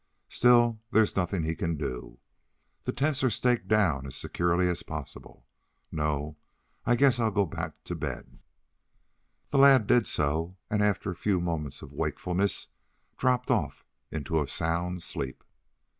Still, there's nothing he can do. The tents are staked down as securely as is possible. No, I guess I'll go back to bed." The lad did so, and after a few moments of wakefulness, dropped off into a sound sleep.